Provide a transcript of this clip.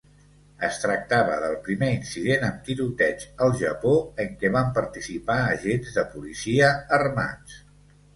Es tractava del primer incident amb tiroteig al Japó en què van participar agents de policia armats.